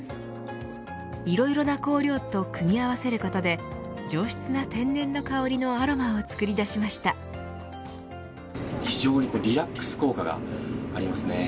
いろいろな香料と組み合わせることで上質な天然の香りの非常にリラックス効果がありますね。